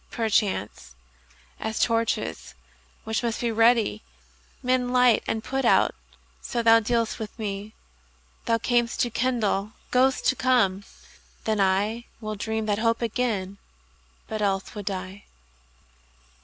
Perchance, as torches, which must ready be, Men light and put out, so thou dealst with me. Thou cam'st to kindle, goest to come: then IWill dream that hope again, but else would die.